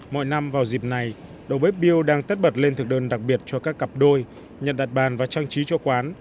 mỗi năm vào dịp này đầu bếp bill đang tất bật lên thực đơn đặc biệt cho các cặp đôi nhận đạt bán và trang trí cho quán